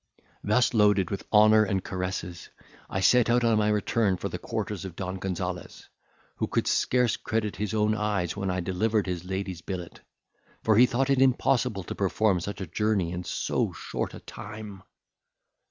Thus loaded with honour and caresses, I set out on my return for the quarters of Don Gonzales, who could scarce credit his own eyes when I delivered his lady's billet; for he thought it impossible to perform such a journey in so short a time.